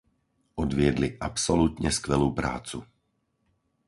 Odviedli absolútne skvelú prácu.